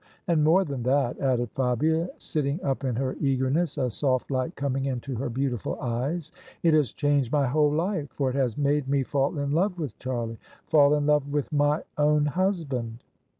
And more than that," added Fabia, sitting up in her eagerness, a soft light coming into her beautiful eyes, " it has changed my whole life; for it has made me fall in love with Charlie — fall in love with my own husband